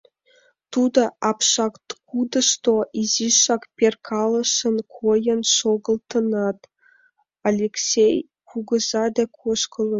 Тудо апшаткудышто изишак перкалышын койын шогылтынат, Элексей кугыза дек ошкылын.